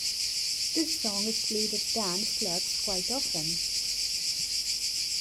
This song is played at dance clubs quite often.